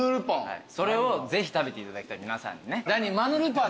それをぜひ食べていただきたい皆さんにね。